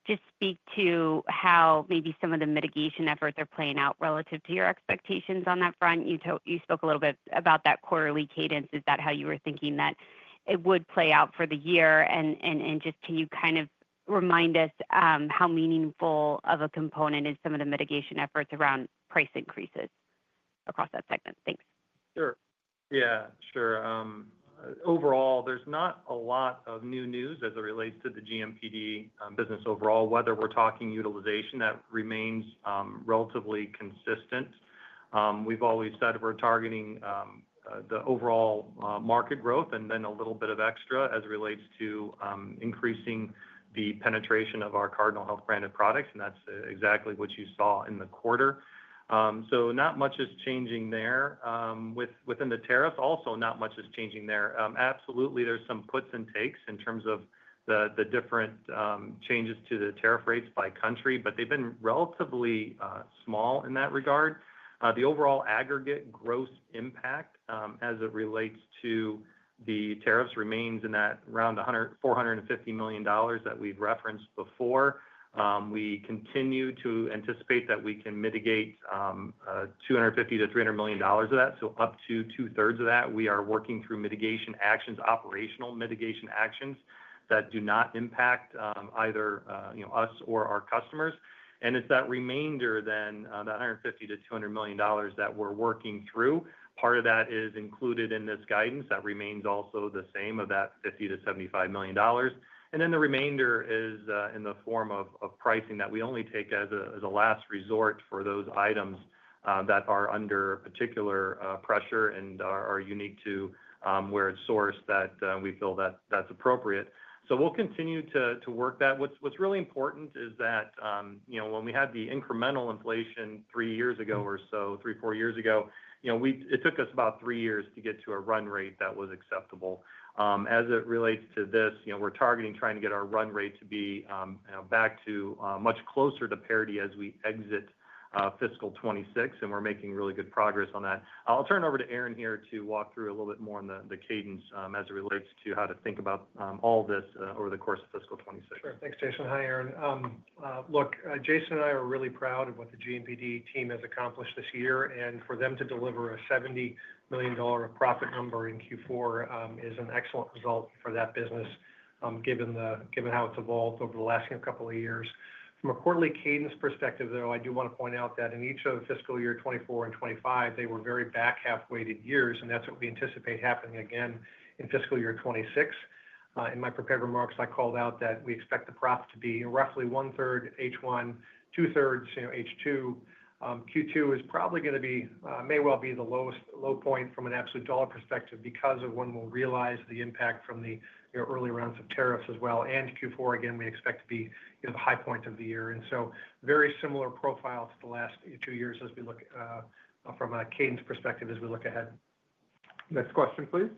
just speak to how maybe some of the mitigation efforts are playing out relative to your expectations on that front. You spoke a little bit about that quarterly cadence. Is that how you were thinking that it would play out for the year? Can you kind of remind us how meaningful of a component is some of the mitigation efforts around price increases across that segment? Thanks. Sure. Yeah, sure. Overall, there's not a lot of new news as it relates to the GMPD business overall, whether we're talking utilization that remains relatively consistent. We've always said we're targeting the overall market growth and then a little bit of extra as it relates to increasing the penetration of our Cardinal Health branded products, and that's exactly what you saw in the quarter. Not much is changing there. Within the tariff, also not much is changing there. Absolutely, there's some puts and takes in terms of the different changes to the tariff rates by country, but they've been relatively small in that regard. The overall aggregate gross impact as it relates to the tariffs remains in that around $450 million that we've referenced before. We continue to anticipate that we can mitigate $250 million-$300 million of that, so up to two-thirds of that. We are working through mitigation actions, operational mitigation actions that do not impact either us or our customers. It's that remainder then, that $150 million-$200 million that we're working through. Part of that is included in this guidance that remains also the same of that $50 million-$75 million. The remainder is in the form of pricing that we only take as a last resort for those items that are under particular pressure and are unique to where it's sourced that we feel that that's appropriate. We'll continue to work that. What's really important is that when we had the incremental inflation three years ago or so, three, four years ago, it took us about three years to get to a run rate that was acceptable. As it relates to this, we're targeting trying to get our run rate to be back to much closer to parity as we exit fiscal 2026, and we're making really good progress on that. I'll turn it over to Aaron here to walk through a little bit more in the cadence as it relates to how to think about all of this over the course of fiscal 2026. Sure. Thanks, Jason. Hi, Aaron. Jason and I are really proud of what the GMPD team has accomplished this year, and for them to deliver a $70 million profit number in Q4 is an excellent result for that business, given how it's evolved over the last couple of years. From a quarterly cadence perspective, though, I do want to point out that in each of fiscal year 2024 and 2025, they were very back half weighted years, and that's what we anticipate happening again in fiscal year 2026. In my prepared remarks, I called out that we expect the profit to be roughly one-third H1, two-thirds H2. Q2 is probably going to be, may well be the lowest low point from an absolute dollar perspective because of when we'll realize the impact from the early rounds of tariffs as well. Q4, again, we expect to be the high point of the year. Very similar profile to the last two years as we look from a cadence perspective as we look ahead. Next question, please.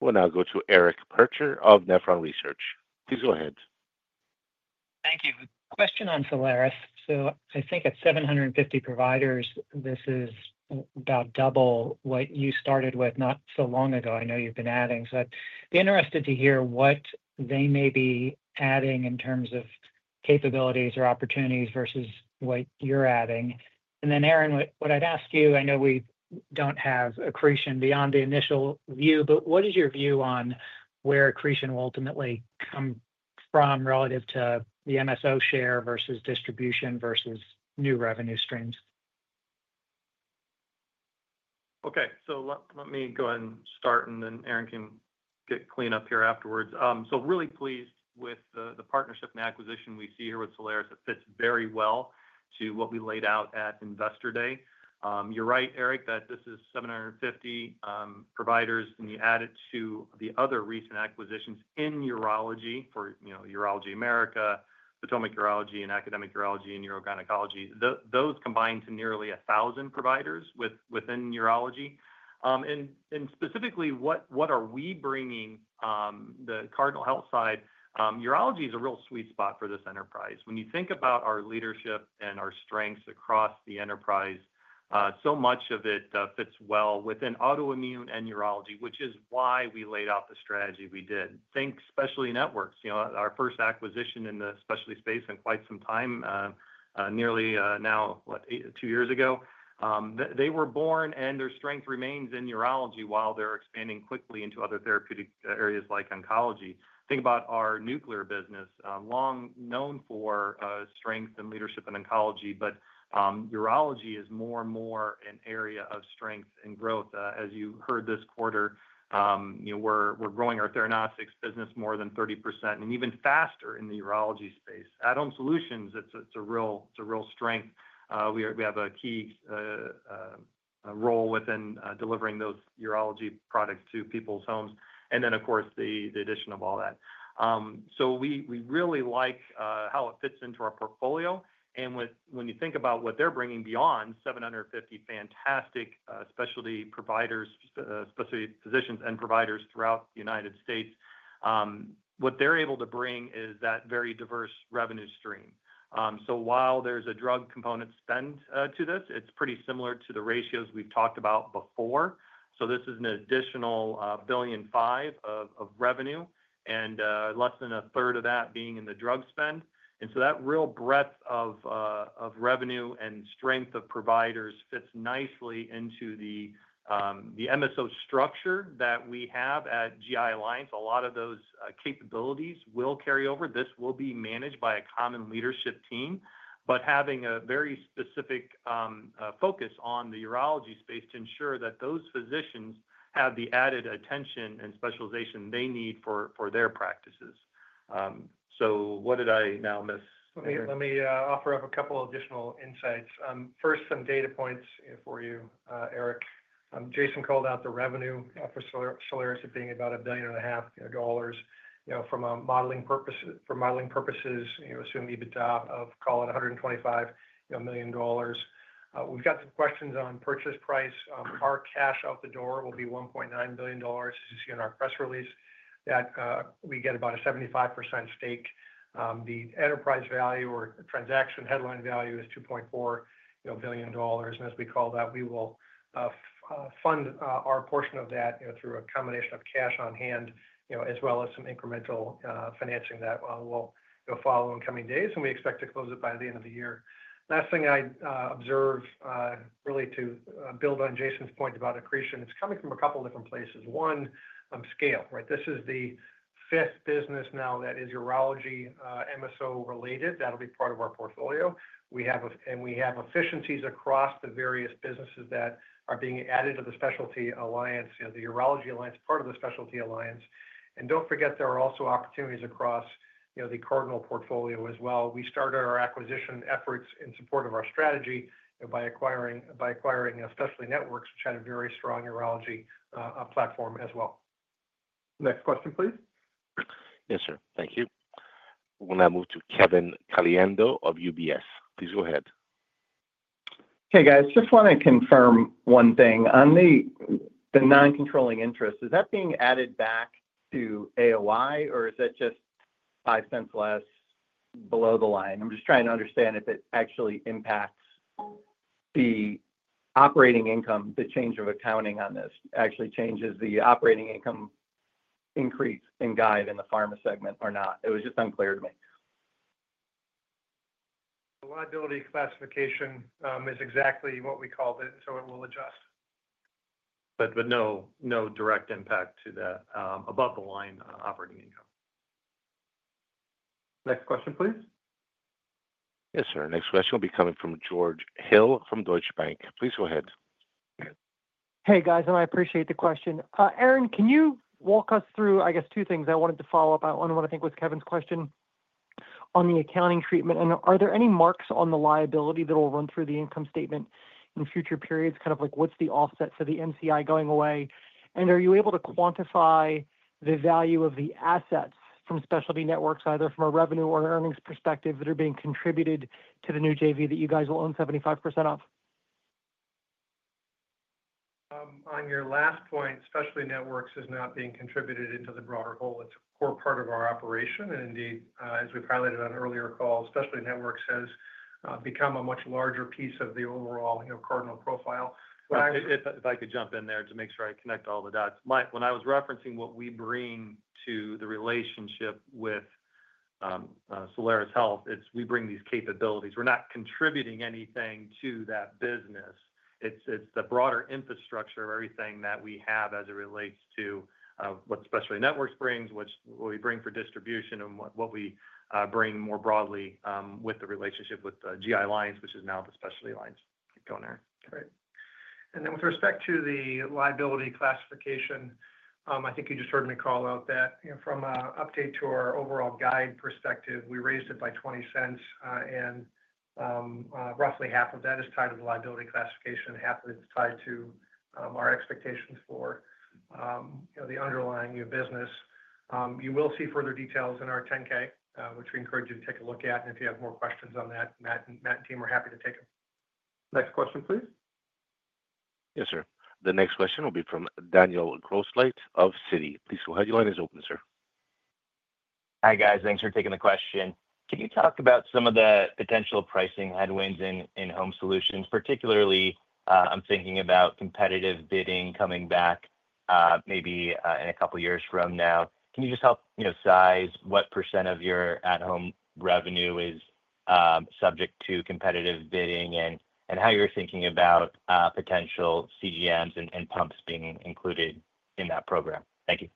We'll now go to Eric Percher of Nephron Research. Please go ahead. Thank you. Question on Solaris. I think at 750 providers, this is about double what you started with not so long ago. I know you've been adding. I'd be interested to hear what they may be adding in terms of capabilities or opportunities versus what you're adding. Aaron, what I'd ask you, I know we don't have accretion beyond the initial view, but what is your view on where accretion will ultimately come from relative to the MSO share versus distribution versus new revenue streams? Okay. Let me go ahead and start, and then Aaron can get clean up here afterwards. Really pleased with the partnership and acquisition we see here with Solaris. It fits very well to what we laid out at Investor Day. You're right, Eric, that this is 750 providers, and you add it to the other recent acquisitions in urology for, you know, Urology America, Potomac Urology, and Academic Urology, and Urogynecology. Those combine to nearly 1,000 providers within urology. Specifically, what are we bringing the Cardinal Health side? Urology is a real sweet spot for this enterprise. When you think about our leadership and our strengths across the enterprise, so much of it fits well within autoimmune and urology, which is why we laid out the strategy we did. Think specialty networks, our first acquisition in the specialty space in quite some time, nearly now, what, two years ago. They were born and their strength remains in urology while they're expanding quickly into other therapeutic areas like oncology. Think about our nuclear business, long known for strength and leadership in oncology, but urology is more and more an area of strength and growth. As you heard this quarter, we're growing our Theranostics business more than 30% and even faster in the urology space. At-Home Solutions, it's a real strength. We have a key role within delivering those urology products to people's homes. Of course, the addition of all that. We really like how it fits into our portfolio. When you think about what they're bringing beyond 750, fantastic specialty providers, specialty physicians and providers throughout the United States, what they're able to bring is that very diverse revenue stream. While there's a drug component spend to this, it's pretty similar to the ratios we've talked about before. This is an additional $1.5 billion of revenue and less than a third of that being in the drug spend. That real breadth of revenue and strength of providers fits nicely into the MSO structure that we have at GI Alliance. A lot of those capabilities will carry over. This will be managed by a common leadership team, but having a very specific focus on the urology space to ensure that those physicians have the added attention and specialization they need for their practices. What did I now miss? Let me offer up a couple of additional insights. First, some data points for you, Eric. Jason called out the revenue for Solaris at being about $1.5 billion, you know, from modeling purposes, assuming EBITDA of, call it, $125 million. We've got some questions on purchase price. Our cash out the door will be $1.9 billion, as you see in our press release, that we get about a 75% stake. The enterprise value or transaction headline value is $2.4 billion. As we call that, we will fund our portion of that through a combination of cash on hand, you know, as well as some incremental financing that will follow in coming days. We expect to close it by the end of the year. Last thing I'd observe, really to build on Jason's point about accretion, it's coming from a couple of different places. One, scale, right? This is the fifth business now that is urology MSO related. That'll be part of our portfolio. We have efficiencies across the various businesses that are being added to the Specialty Alliance, you know, the Urology Alliance, part of the Specialty Alliance. Don't forget, there are also opportunities across, you know, the Cardinal portfolio as well. We started our acquisition efforts in support of our strategy by acquiring specialty networks, which had a very strong urology platform as well. Next question, please. Yes, sir. Thank you. We'll now move to Kevin Caliendo of UBS. Please go ahead. Hey, guys. Just want to confirm one thing. On the non-controlling interest, is that being added back to AOI, or is it just $0.05 less below the line? I'm just trying to understand if it actually impacts the operating income. The change of accounting on this actually changes the operating income increase in guide in the Pharma segment or not. It was just unclear to me. The liability classification is exactly what we called it, so it will adjust. is no direct impact to the above-the-line operating income. Next question, please. Yes, sir. Next question will be coming from George Hill from Deutsche Bank. Please go ahead. Hey, guys, and I appreciate the question. Aaron, can you walk us through, I guess, two things? I wanted to follow up on what I think was Kevin's question on the accounting treatment. Are there any marks on the liability that will run through the income statement in future periods? What's the offset for the NCI going away? Are you able to quantify the value of the assets from specialty networks, either from a revenue or earnings perspective, that are being contributed to the new JV that you guys will own 75% of? On your last point, specialty networks is not being contributed into the broader whole. It's a core part of our operation. Indeed, as we piloted on earlier calls, specialty networks has become a much larger piece of the overall, you know, Cardinal Health profile. If I could jump in there to make sure I connect all the dots. When I was referencing what we bring to the relationship with Solaris Health, it's we bring these capabilities. We're not contributing anything to that business. It's the broader infrastructure of everything that we have as it relates to what specialty networks brings, what we bring for distribution, and what we bring more broadly with the relationship with GI Alliance, which is now the Specialty Alliance. Go on, Aaron. Right. With respect to the liability classification, I think you just heard me call out that from an update to our overall guide perspective, we raised it by $0.20. Roughly half of that is tied to the liability classification, and half of it is tied to our expectations for the underlying new business. You will see further details in our 10-K, which we encourage you to take a look at. If you have more questions on that, Matt and team are happy to take them. Next question, please. Yes, sir. The next question will be from Daniel Grosslight of Citi. Please go ahead. Your line is open, sir. Hi, guys. Thanks for taking the question. Can you talk about some of the potential pricing headwinds in home solutions? Particularly, I'm thinking about competitive bidding coming back maybe in a couple of years from now. Can you just help size what percent of your at-Home Solutions revenue is subject to competitive bidding and how you're thinking about potential CGMs and pumps being included in that program? Thank you.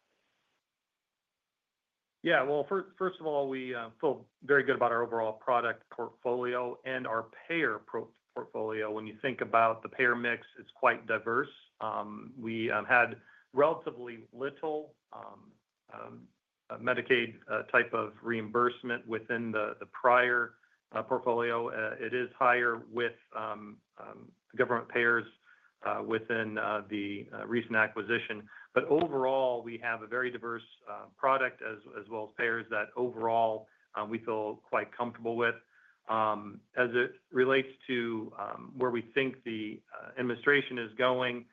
First of all, we feel very good about our overall product portfolio and our payer portfolio. When you think about the payer mix, it's quite diverse. We had relatively little Medicaid type of reimbursement within the prior portfolio. It is higher with government payers within the recent acquisition. Overall, we have a very diverse product as well as payers that we feel quite comfortable with. As it relates to where we think the administration is going,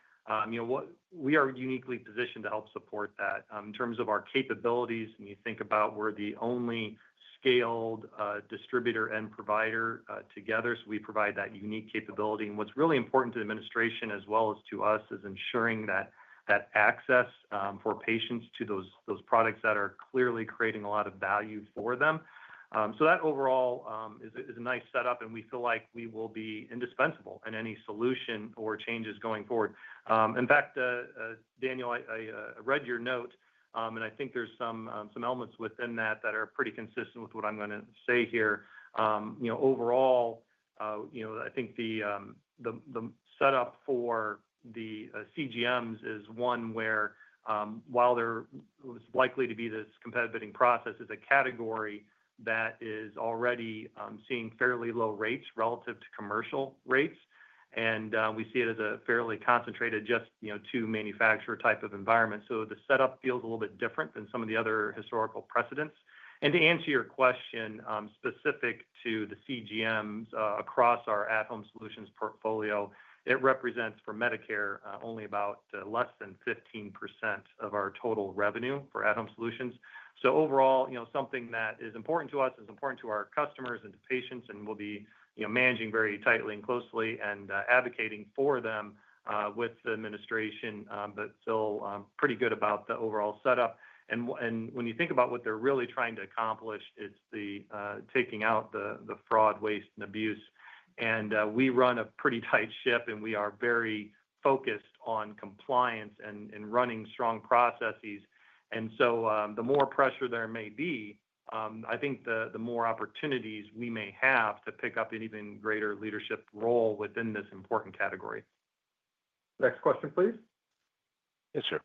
we are uniquely positioned to help support that. In terms of our capabilities, when you think about it, we're the only scaled distributor and provider together, so we provide that unique capability. What's really important to the administration as well as to us is ensuring that access for patients to those products that are clearly creating a lot of value for them. That overall is a nice setup, and we feel like we will be indispensable in any solution or changes going forward. In fact, Daniel, I read your note, and I think there are some elements within that that are pretty consistent with what I'm going to say here. Overall, I think the setup for the CGMs is one where, while there's likely to be this competitive bidding process, it's a category that is already seeing fairly low rates relative to commercial rates. We see it as a fairly concentrated just-to-manufacture type of environment. The setup feels a little bit different than some of the other historical precedents. To answer your question specific to the CGMs across our at-Home Solutions portfolio, it represents for Medicare only about less than 15% of our total revenue for at-Home Solutions. Overall, it's something that is important to us, is important to our customers and to patients, and we'll be managing very tightly and closely and advocating for them with the administration, but feel pretty good about the overall setup. When you think about what they're really trying to accomplish, it's taking out the fraud, waste, and abuse. We run a pretty tight ship, and we are very focused on compliance and running strong processes. The more pressure there may be, I think the more opportunities we may have to pick up an even greater leadership role within this important category. Next question, please. Yes, sir.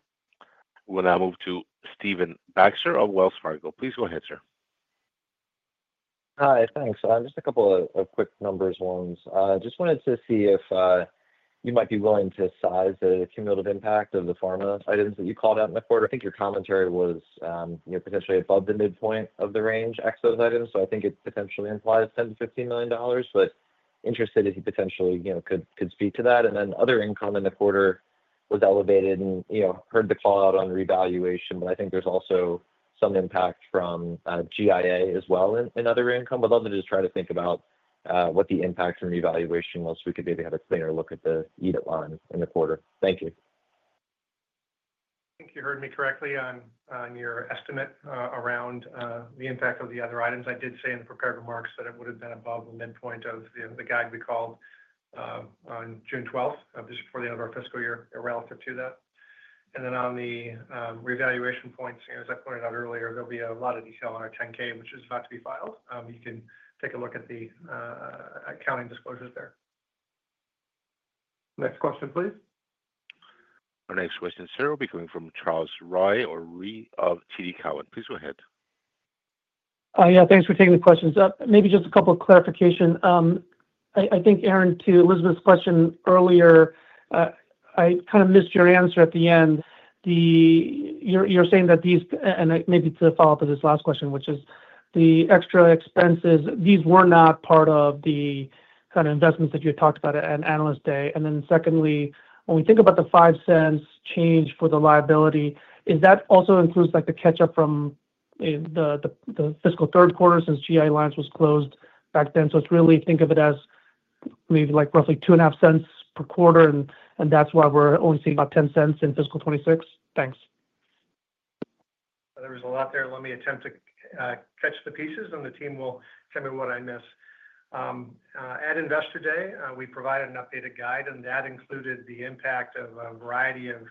We'll now move to Stephen Baxter of Wells Fargo. Please go ahead, sir. Hi, thanks. Just a couple of quick numbers ones. I just wanted to see if you might be willing to size the cumulative impact of the pharma items that you called out in the quarter. I think your commentary was potentially above the midpoint of the range exposed items. I think it potentially implied $10 million-$15 million, but interested if you potentially could speak to that. Other income in the quarter was elevated and heard the call out on revaluation, but I think there's also some impact from GIA as well in other income. I'd love to just try to think about what the impact on revaluation was so we could maybe have a cleaner look at the EDIT line in the quarter. Thank you. I think you heard me correctly on your estimate around the impact of the other items. I did say in the prepared remarks that it would have been above the midpoint of the guide we called on June 12, just before the end of our fiscal year relative to that. On the revaluation points, as I pointed out earlier, there will be a lot of detail on our 10-K, which is about to be filed. You can take a look at the accounting disclosures there. Next question, please. Our next question, sir, will be coming from Charles Rhyee of TD Cowen. Please go ahead. Yeah, thanks for taking the questions. Maybe just a couple of clarifications. I think, Aaron, to Elizabeth's question earlier, I kind of missed your answer at the end. You're saying that these, and maybe to follow up with this last question, which is the extra expenses, these were not part of the kind of investments that you had talked about at Analyst Day. Secondly, when we think about the $0.05 change for the liability, does that also include the catch-up from the fiscal third quarter since GI Alliance was closed back then? It's really, think of it as maybe like roughly $0.02 per quarter, and that's why we're only seeing about $0.10 in fiscal 2026. Thanks. There was a lot there. Let me attempt to catch the pieces, and the team will tell me what I missed. At Investor Day, we provided an updated guide, and that included the impact of a variety of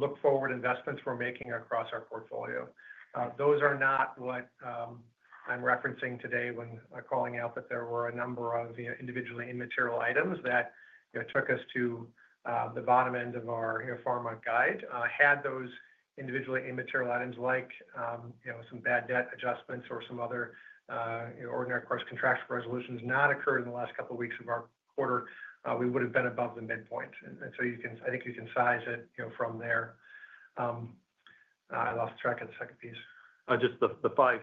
look-forward investments we're making across our portfolio. Those are not what I'm referencing today when calling out that there were a number of individually immaterial items that took us to the bottom end of our pharma guide. Had those individually immaterial items like some bad debt adjustments or some other ordinary course contractual resolutions not occurred in the last couple of weeks of our quarter, we would have been above the midpoint. I think you can size it from there. I lost track of the second piece. Just the $0.05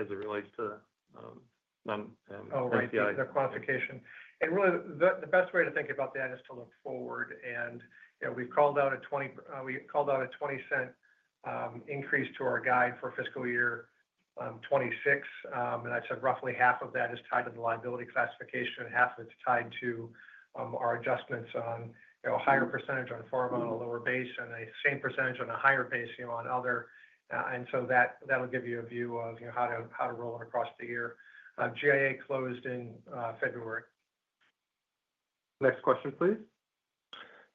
as it relates to the. Right, the qualification. Really, the best way to think about that is to look forward. We've called out a $0.20 increase to our guide for fiscal year 2026. I'd say roughly half of that is tied to the liability classification, and half of it's tied to our adjustments on a higher percent on Pharma on a lower base and a same percent on a higher base on other. That'll give you a view of how to roll it across the year. GIA closed in February. Next question, please.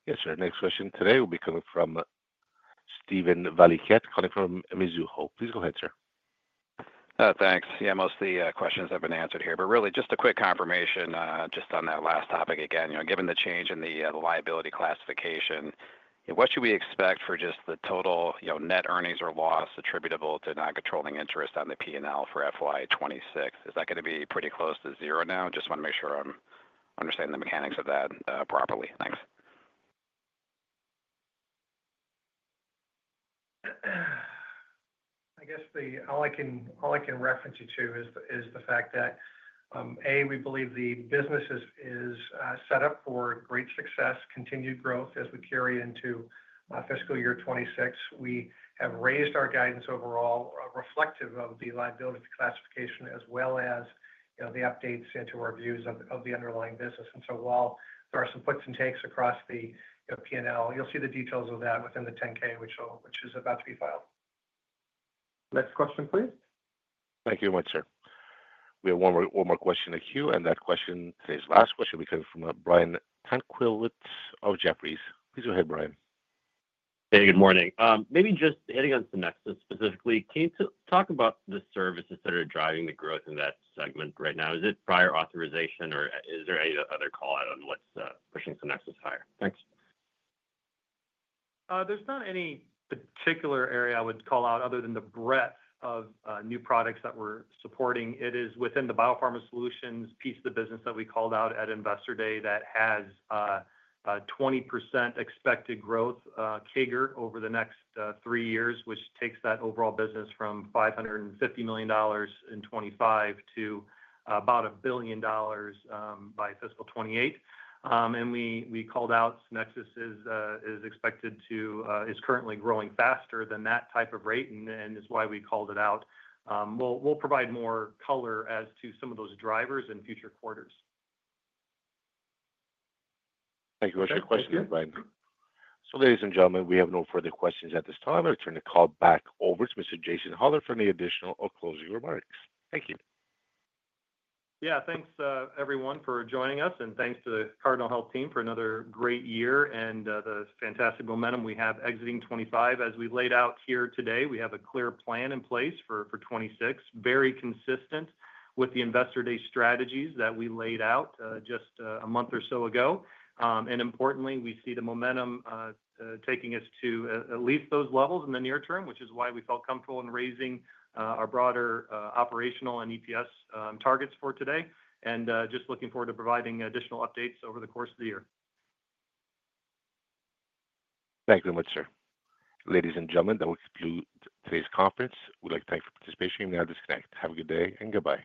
Yes, sir. Next question today will be coming from Steven Valiquette, calling from Mizuho. Please go ahead, sir. Thanks. Yeah, most of the questions have been answered here. Just a quick confirmation on that last topic. Again, you know, given the change in the liability classification, what should we expect for just the total net earnings or loss attributable to non-controlling interest on the P&L for FY 2026? Is that going to be pretty close to zero now? Just want to make sure I'm understanding the mechanics of that properly. Thanks. I guess all I can reference you to is the fact that, A, we believe the business is set up for great success, continued growth as we carry into fiscal year 2026. We have raised our guidance overall, reflective of the liability classification as well as the updates into our views of the underlying business. While there are some puts and takes across the P&L, you'll see the details of that within the 10-K, which is about to be filed. Next question, please. Thank you very much, sir. We have one more question in the queue, and that question, today's last question, will be coming from Brian Tanquilut of Jefferies. Please go ahead, Brian. Hey, good morning. Maybe just hitting on Senexis specifically, can you talk about the services that are driving the growth in that segment right now? Is it prior authorization, or is there any other call out on what's pushing Sonexus higher? Thanks. There's not any particular area I would call out other than the breadth of new products that we're supporting. It is within the biopharma solutions piece of the business that we called out at Investor Day that has a 20% expected growth CAGR over the next three years, which takes that overall business from $550 million in 2025 to about $1 billion by fiscal 2028. We called out Senexis is expected to, is currently growing faster than that type of rate, and it's why we called it out. We'll provide more color as to some of those drivers in future quarters. Thank you very much for your question, Brian. Ladies and gentlemen, we have no further questions at this time. I'll turn the call back over to Mr. Jason Hollar for any additional or closing remarks. Thank you. Yeah, thanks, everyone, for joining us, and thanks to the Cardinal Health team for another great year and the fantastic momentum we have exiting 2025. As we laid out here today, we have a clear plan in place for 2026, very consistent with the Investor Day strategies that we laid out just a month or so ago. Importantly, we see the momentum taking us to at least those levels in the near term, which is why we felt comfortable in raising our broader operational and EPS targets for today. Just looking forward to providing additional updates over the course of the year. Thank you very much, sir. Ladies and gentlemen, that will conclude today's conference. We'd like to thank you for your participation. You may now disconnect. Have a good day and goodbye.